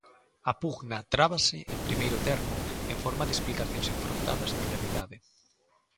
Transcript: A pugna trábase, en primeiro termo, en forma de explicacións enfrontadas da realidade.